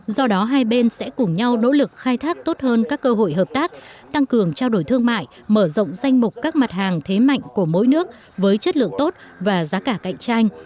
do đó hai bên sẽ cùng nhau nỗ lực khai thác tốt hơn các cơ hội hợp tác tăng cường trao đổi thương mại mở rộng danh mục các mặt hàng thế mạnh của mỗi nước với chất lượng tốt và giá cả cạnh tranh